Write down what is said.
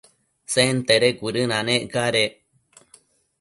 Sentede cuëdënanec cadec